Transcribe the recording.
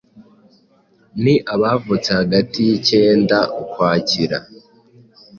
ni abavutse hagati ya ikenda Ukwakira